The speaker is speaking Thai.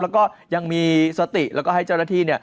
แล้วก็ยังมีสติแล้วก็ให้เจ้าหน้าที่